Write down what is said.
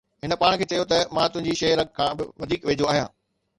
هن پاڻ کي چيو ته مان تنهنجي شہ رگ کان به وڌيڪ ويجهو آهيان